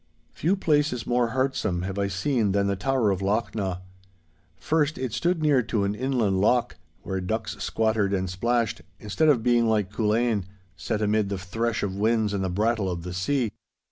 Few places more heartsome have I seen than the tower of Lochnaw. First, it stood near to an inland loch, where ducks squattered and splashed, instead of being like Culzean, set amid the thresh of winds and the brattle of the sea.